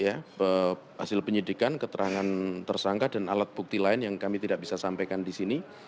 hasil penyidikan keterangan tersangka dan alat bukti lain yang kami tidak bisa sampaikan di sini